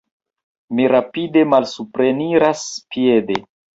Mi rapide malsupreniras piede.